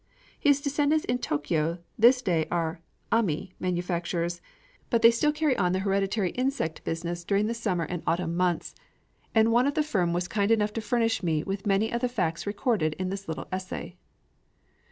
His descendants in Tōkyō to day are amé manufacturers; but they still carry on the hereditary insect business during the summer and autumn months; and one of the firm was kind enough to furnish me with many of the facts recorded in this little essay.